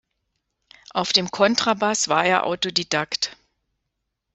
Auf dem Kontrabass war er Autodidakt.